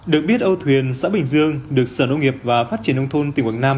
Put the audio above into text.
được biết âu thuyền xã bình dương được sở nông nghiệp và phát triển nông thôn tỉnh quảng nam